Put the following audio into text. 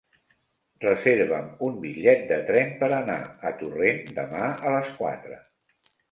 Reserva'm un bitllet de tren per anar a Torrent demà a les quatre.